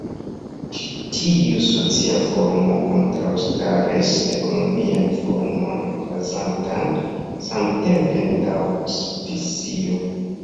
Ĉi tiu socia forumo kontraŭstaris ekonomian forumon okazantan samtempe en Davos, Svisio.